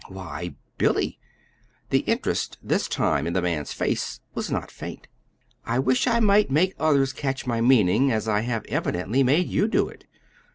"Why, Billy!" the interest this time in the man's face was not faint "I wish I might make others catch my meaning as I have evidently made you do it!